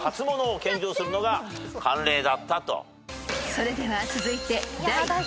［それでは続いて］